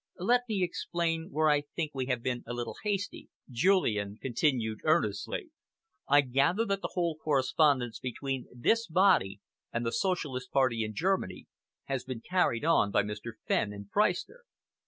"Let me explain where I think we have been a little hasty," Julian continued earnestly. "I gather that the whole correspondence between this body and the Socialist Party in Germany has been carried on by Mr. Fenn and Freistner.